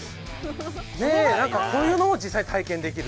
こういうものも実際に体験できる。